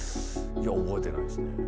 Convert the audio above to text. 「いや覚えてないですね」